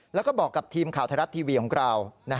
แล้วก็บอกกับทีมข่าวไทยรัฐทีวีของเรา